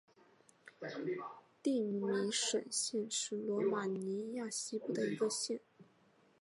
蒂米什县是罗马尼亚西部的一个县。